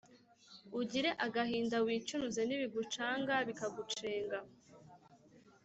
ugire agahinda wicunuze, nibigucanga bikagucenga,